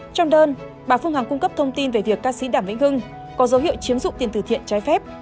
trong đơn bà phương hằng cung cấp thông tin về việc ca sĩ đảm vĩnh hưng có dấu hiệu chiếm dụng tiền từ thiện trái phép